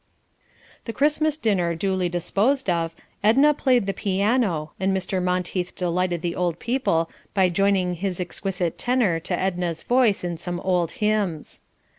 The Christmas dinner duly disposed of, Edna opened the piano, and Mr. Monteith delighted the old people by joining his exquisite tenor to Edna's voice in some old hymns.